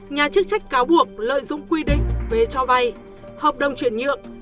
nhà chức trách cáo buộc lợi dụng quy định về cho vay hợp đồng chuyển nhượng